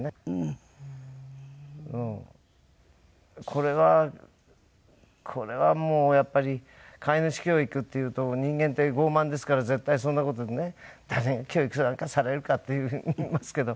これはこれはもうやっぱり飼い主教育っていうと人間って傲慢ですから絶対そんな事でね誰が教育なんかされるかっていう風に言いますけど。